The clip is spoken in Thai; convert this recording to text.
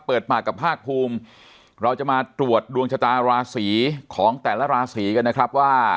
เปิดปากกับภาคภูมิเราจะมาตรวจดวงชะตาราศีของแต่ละราศีกันนะครับว่า